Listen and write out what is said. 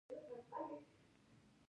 لطفاً تاسو بايد ما د تل لپاره هېره کړئ.